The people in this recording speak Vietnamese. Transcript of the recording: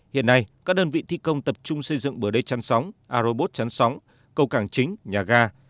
hiện nay các đơn vị thi công tập trung xây dựng bờ đê chăn sóng aerobot chăn sóng cầu càng chính nhà ga